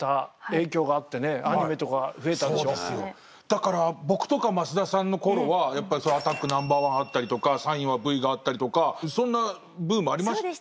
だから僕とか増田さんのころはやっぱり「アタックＮｏ．１」あったりとか「サインはＶ！」があったりとかそんなブームありましたよね。